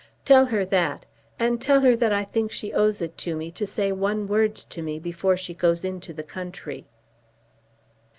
Tell her that; and tell her that I think she owes it to me to say one word to me before she goes into the country."